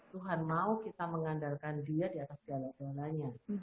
tuhan mau kita mengandalkan dia di atas jala jalanya